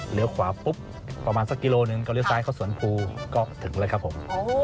ขวาปุ๊บประมาณสักกิโลหนึ่งก็เลี้ยซ้ายเข้าสวนภูก็ถึงแล้วครับผม